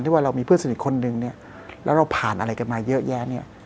ที่ว่าเรามีเพื่อนสนิทคนหนึ่งแล้วเราผ่านอะไรกันมาเยอะแยะ